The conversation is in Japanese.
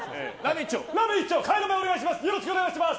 替え玉よろしくお願いします！